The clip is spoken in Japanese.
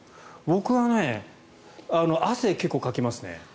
僕は汗、結構かきますね。